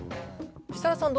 設楽さん